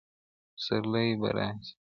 پسرلی به راسي.